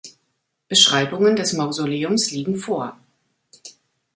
Beschreibungen des Mausoleums liegen vor.